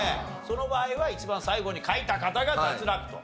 その場合は一番最後に書いた方が脱落と。